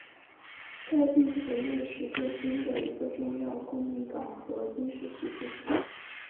该地曾为十字军的一个重要的供应港和军事基地。